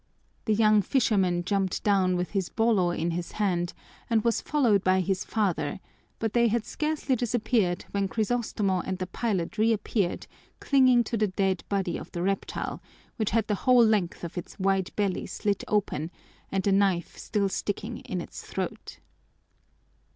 The young fisherman jumped down with his bolo in his hand and was followed by his father, but they had scarcely disappeared when Crisostomo and the pilot reappeared clinging to the dead body of the reptile, which had the whole length of its white belly slit open and the knife still sticking in its throat.